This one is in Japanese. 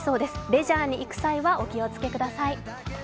レジャーに行く際はお気をつけください。